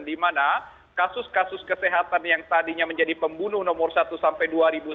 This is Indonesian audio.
di mana kasus kasus kesehatan yang tadinya menjadi pembunuh nomor satu sampai dua ribu tujuh belas